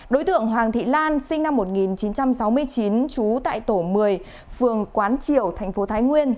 đối tượng hoàng thị lan sinh năm một nghìn chín trăm sáu mươi chín trú tại tổ một mươi phường quán triều thành phố thái nguyên